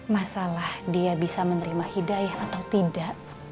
masalah dia bisa menerima hidayah atau tidak